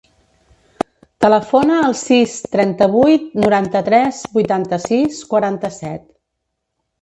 Telefona al sis, trenta-vuit, noranta-tres, vuitanta-sis, quaranta-set.